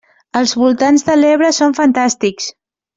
Els voltants de l'Ebre són fantàstics!